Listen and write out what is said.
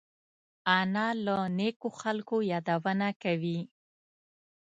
انا له نیکو خلقو یادونه کوي